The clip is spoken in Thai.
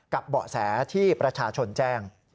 เบาะแสที่ประชาชนแจ้ง